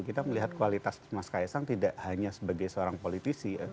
kita melihat kualitas mas kaisang tidak hanya sebagai seorang politisi